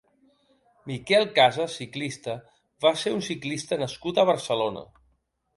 Miquel Casas (ciclista) va ser un ciclista nascut a Barcelona.